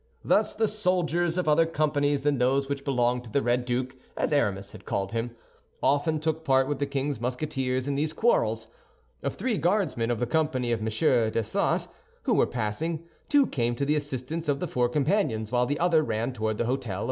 Thus the soldiers of other companies than those which belonged to the Red Duke, as Aramis had called him, often took part with the king's Musketeers in these quarrels. Of three Guardsmen of the company of M. Dessessart who were passing, two came to the assistance of the four companions, while the other ran toward the hôtel of M.